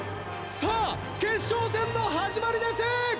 さぁ決勝戦の始まりです！